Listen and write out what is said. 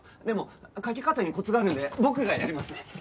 でもかけ方にコツがあるんで僕がやりますね。